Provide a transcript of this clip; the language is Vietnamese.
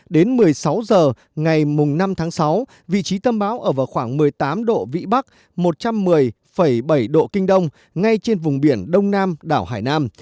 đến một mươi sáu h ngày năm tháng sáu vị trí tâm bão ở vào khoảng một mươi tám độ vĩ bắc một trăm một mươi bảy độ kinh đông ngay trên vùng biển đông nam đảo hải nam